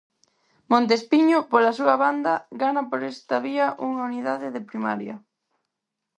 Montespiño, pola súa banda, gana por esta vía unha unidade de Primaria.